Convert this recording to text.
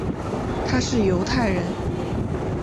他是犹太人。